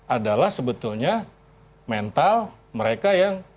adalah sebetulnya mental mereka yang